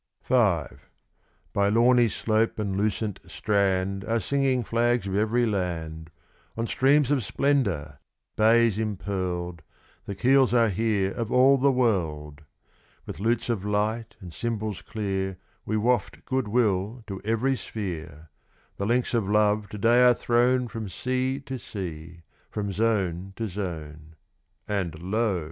V By lawny slope and lucent strand Are singing flags of every land; On streams of splendour bays impearled The keels are here of all the world. With lutes of light and cymbals clear We waft goodwill to every sphere. The links of love to day are thrown From sea to sea from zone to zone; And, lo!